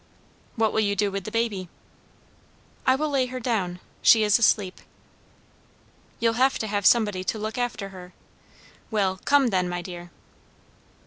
"What will you do with the baby?" "I will lay her down. She is asleep." "You'll have to have somebody to look after her. Well, come then, my dear."